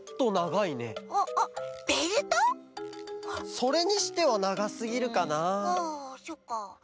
それにしてはながすぎるかなあ。